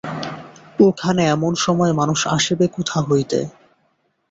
ওখানে এমন সময় মানুষ আসিবে কোথা হইতে।